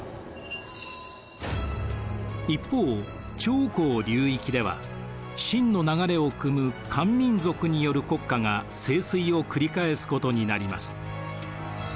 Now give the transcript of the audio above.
一方長江流域では晋の流れをくむ漢民族による国家が盛衰を繰り返すことになります。